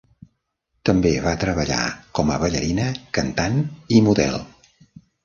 També va treballar com a ballarina, cantant i model.